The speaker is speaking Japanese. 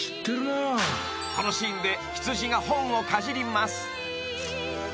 ［このシーンで羊が本をかじります］